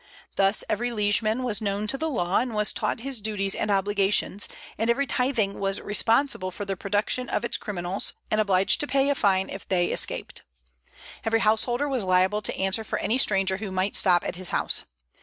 Thus every liegeman was known to the law, and was taught his duties and obligations; and every tything was responsible for the production of its criminals, and obliged to pay a fine if they escaped. Every householder was liable to answer for any stranger who might stop at his house.